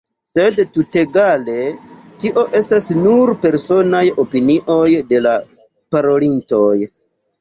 Sed tutegale tio estas nur personaj opinioj de la parolintoj.